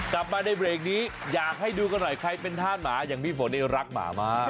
กลับมาในเบรกนี้อยากให้ดูกันหน่อยใครเป็นธาตุหมาอย่างพี่ฝนนี่รักหมามาก